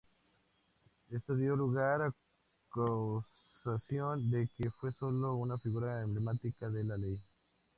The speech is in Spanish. Esto dio lugar a acusaciones de que fue sólo una figura emblemática de DeLay.